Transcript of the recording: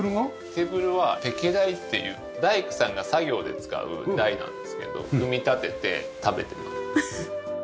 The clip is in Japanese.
テーブルはペケ台っていう大工さんが作業で使う台なんですけど組み立てて食べてます。